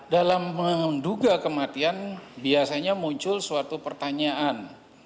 dalam menduga kematian biasanya muncul suatu pertanyaan